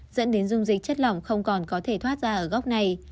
dẫn đến dung dịch chất lỏng không còn có thể thoát ra ở góc này